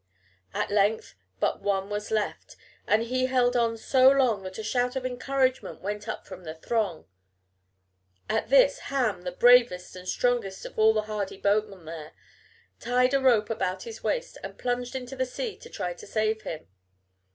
At length but one was left, and he held on so long that a shout of encouragement went up from the throng. At this Ham, the bravest and strongest of all the hardy boatmen there, tied a rope about his waist and plunged into the sea to try to save him.